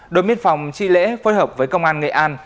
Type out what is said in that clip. đội biên phòng tri lễ phối hợp với công an nghệ an